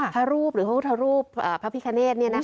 พระรูปหรือพวกพระรูปพระพิคเนตเนี่ยนะคะ